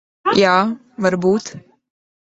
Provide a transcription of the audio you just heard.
Jā, varbūt.